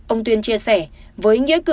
ông tuyên chia sẻ với nghĩa cử